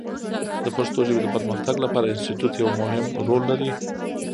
د پښتو ژبې د پرمختګ لپاره انسټیټوت یو مهم رول لري.